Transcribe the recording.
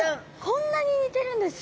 こんなに似てるんですか？